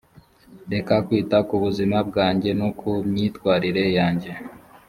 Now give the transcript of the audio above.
reka kwita ku buzima bwanjye no ku myitwarire yanjye